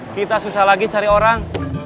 kita susah lagi cari orang